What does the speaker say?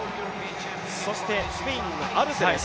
そしてスペインのアルセです。